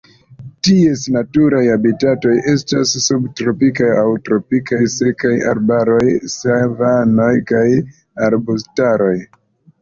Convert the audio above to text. Ties natura habitato estas subtropikaj aŭ tropikaj sekaj arbaroj, savano kaj arbustaroj.